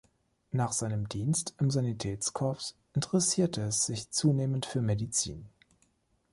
Nach seinem Dienst im Sanitätskorps interessierte es sich zunehmend für Medizin.